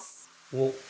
おっ！